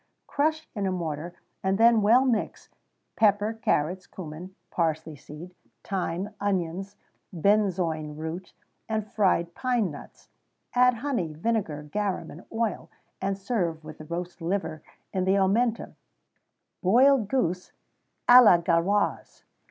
_ Crush in a mortar, and then well mix, pepper, carrots, cummin, parsley seed, thyme, onions, benzoin root, and fried pine nuts; add honey, vinegar, garum, and oil, and serve with the roast liver in the omentum.[XVII 78] _Boiled Goose à la Gauloise.